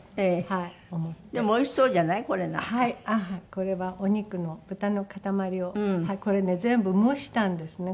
これはお肉の豚の塊をこれね全部蒸したんですね。